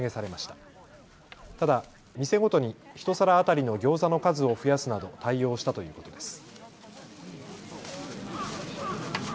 ただ、店ごとに１皿当たりのギョーザの数を増やすなど対応したということです。